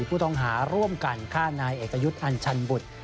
ผู้ต้องหาร่วมกันฆ่านายเอกยุทธ์อัญชันบุตร